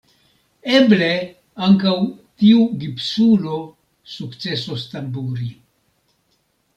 Eble, ankaŭ tiu gipsulo sukcesos tamburi.